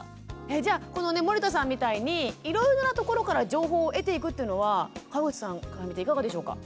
じゃあ森田さんみたいにいろいろなところから情報を得ていくというのは川口さんから見ていかがでしょうか？